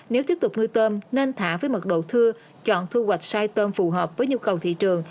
nếu tiếp tục nuôi tôm nên thả với mật độ thưa chọn thu hoạch sai tôm phù hợp với nhu cầu thị trường